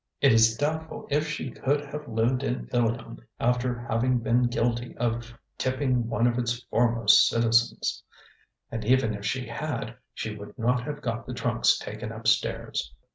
It is doubtful if she could have lived in Ilion after having been guilty of tipping one of its foremost citizens. And even if she had, she would not have got the trunks taken up stairs.